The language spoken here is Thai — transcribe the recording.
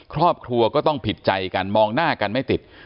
ครอบครัวก็ต้องผิดใจกันมองหน้ากันไม่ติด